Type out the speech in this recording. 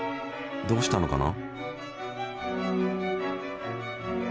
どうしたのかな。